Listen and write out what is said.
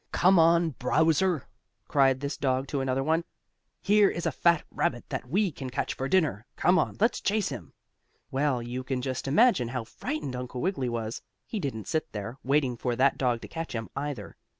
"Come on, Browser!" cried this dog to another one. "Here is a fat rabbit that we can catch for dinner. Come on, let's chase him!" Well, you can just imagine how frightened Uncle Wiggily was. He didn't sit there, waiting for that dog to catch him, either.